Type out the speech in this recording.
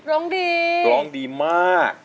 ร้องดีร้องดีมาก